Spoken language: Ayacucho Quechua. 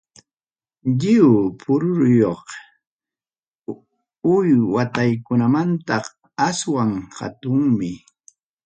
Lliw puruyuq uywakunamantam aswan hatunmi.